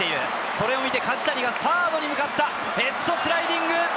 これを見て、梶谷がサードに向かったヘッドスライディング！